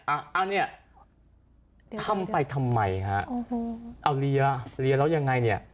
อันนี้ทำไปทำไมเอาเหรียแล้วยังไงเนี่ย